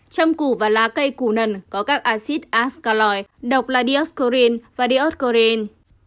trâm củ và lá cây củ nần có các acid ascaloy độc là dioscorin và dioscorin